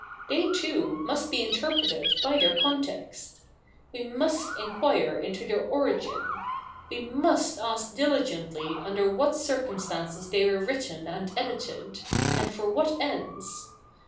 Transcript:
They, too, must be interpreted by their co7itext. We 7nust inquire into their origin ; we must ask dilfgently under what circu77istances they were written and edited, and for what ends.